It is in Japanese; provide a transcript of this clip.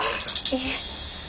いえ。